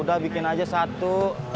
udah bikin aja satu